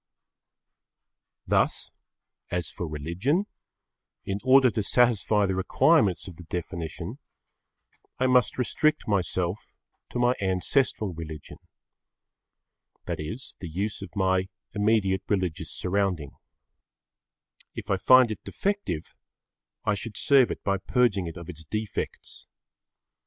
Thus, as for religion, in order to satisfy the requirements of the definition, I must restrict myself to my ancestral religion. That is the use of my immediate religious surrounding. If I find it defective, I should serve it by purging it of its defects.